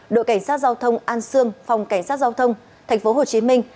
đội cảnh sát giao thông an sương phòng cảnh sát giao thông thành phố hồ chí minh